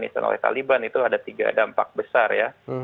itu ada tiga dampak besar ya